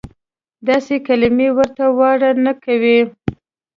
داسې کلیمې ورته واره نه کوي.